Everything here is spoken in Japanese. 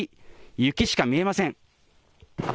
雪しか見えません。